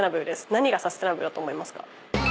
何がサスティナブルだと思いますか？